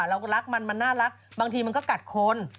เรารักมันมันน่ารักบางทีมันก็กัดคน